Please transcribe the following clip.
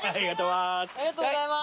ありがとうございます。